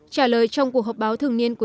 trả lời trong cuộc họp báo thường niên cuối năm